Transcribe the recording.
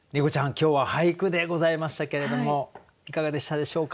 今日は俳句でございましたけれどもいかがでしたでしょうか？